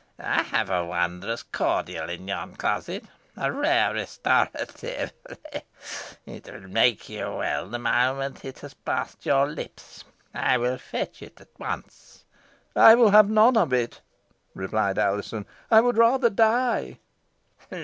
I have a wondrous cordial in yon closet a rare restorative ha! ha! It will make you well the moment it has passed your lips. I will fetch it at once." "I will have none of it," replied Alizon; "I would rather die."